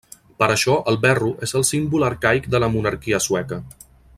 Per això el verro és el símbol arcaic de la monarquia sueca.